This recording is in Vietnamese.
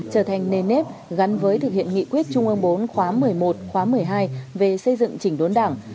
trở thành nề nếp gắn với thực hiện nghị quyết trung ương bốn khóa một mươi một khóa một mươi hai về xây dựng chỉnh đốn đảng